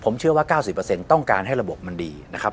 ผมเชื่อว่า๙๐ต้องการให้ระบบมันดีนะครับ